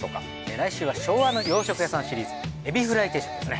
来週は昭和の洋食屋さんシリーズエビフライ定食ですね。